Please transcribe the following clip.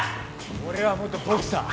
俺は元ボクサー。